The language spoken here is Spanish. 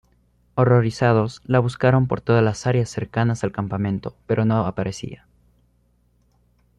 Horrorizados, la buscaron por todas las áreas cercanas al campamento; pero no aparecía.